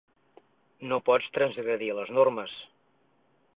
No pots transgredir les normes.